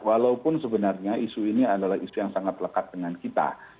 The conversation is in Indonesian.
walaupun sebenarnya isu ini adalah isu yang sangat lekat dengan kita